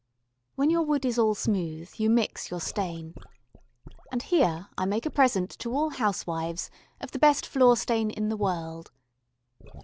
When your wood is all smooth you mix your stain. And here I make a present to all housewives of the best floor stain in the world.